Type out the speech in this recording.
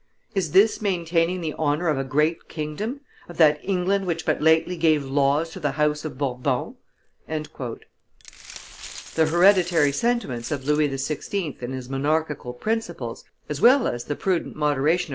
Is this maintaining the honor of a great kingdom, of that England which but lately gave laws to the House of Bourbon?" The hereditary sentiments of Louis XVI. and his monarchical principles, as well as the prudent moderation of M.